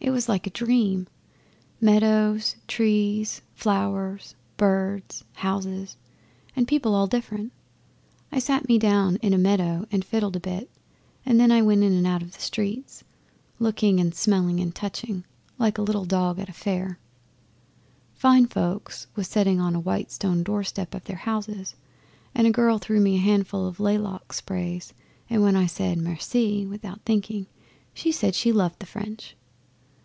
It was like a dream meadows, trees, flowers, birds, houses, and people all different! I sat me down in a meadow and fiddled a bit, and then I went in and out the streets, looking and smelling and touching, like a little dog at a fair. Fine folk was setting on the white stone doorsteps of their houses, and a girl threw me a handful of laylock sprays, and when I said "Merci" without thinking, she said she loved the French.